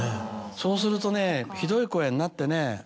そうするとねひどい声になってね。